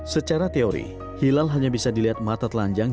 secara teori hilal hanya bisa dilihat dengan berat